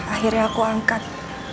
akhirnya aku angkat